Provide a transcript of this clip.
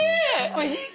おいしい？